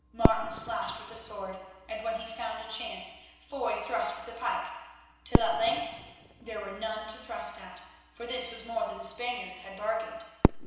Martin slashed with the sword, and when he found a chance Foy thrust with the pike, till at length there were none to thrust at, for this was more than the Spaniards had bargained.